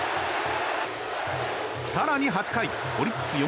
更に８回、オリックス４